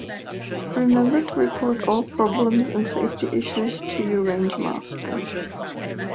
Remember to report all problems and safety issues to you range master.